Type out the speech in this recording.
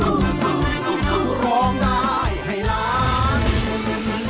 รายการต่อไปนี้เป็นรายการทั่วไปสามารถรับชมได้ทุกวัย